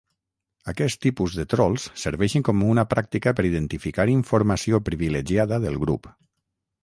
Aquests tipus de trols serveixen com una pràctica per identificar informació privilegiada del grup.